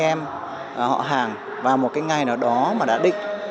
để tập trung được anh em họ hàng vào một cái ngày nào đó mà đã định